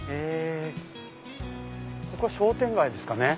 ここ商店街ですかね。